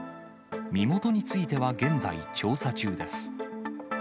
身元については現在、調査中です。